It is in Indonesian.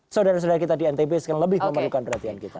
saudara saudara kita di ntb sekarang lebih memerlukan perhatian kita